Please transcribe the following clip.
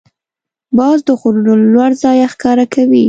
باز د غرونو له لوړ ځایه ښکار کوي